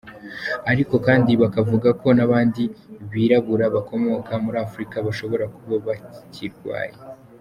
Ariko kandi bakavuga ko n’abandi birabura bakomoka muri Afurika bashobora kuba bakirwaye.